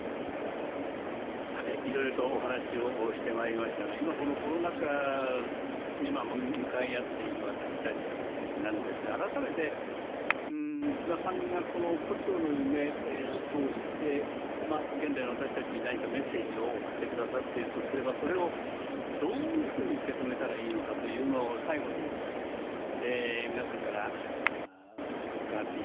さていろいろとお話をしてまいりましたが今このコロナ禍に向かい合っている私たちなんですが改めて司馬さんがこの「胡蝶の夢」を通して現代の私たちに何かメッセージを送って下さっているとすればそれをどういうふうに受け止めたらいいのかというのを最後に皆さんから伺っていきたいんですが澤田瞳子さん